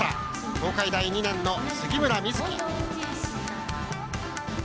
東海大２年の杉村美寿希。